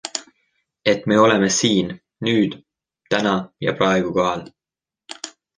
Et me oleme siin, nüüd, täna ja praegu kohal.